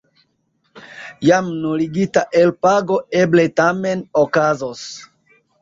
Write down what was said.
Jam nuligita elpago eble tamen okazos.